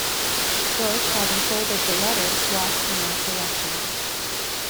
George, having folded the letter, walks in that direction.